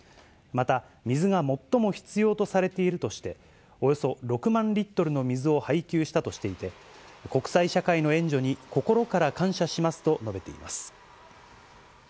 また、水が最も必要とされているとして、およそ６万リットルの水を配給したとしていて、国際社会の援助に心から感謝しますと述べています。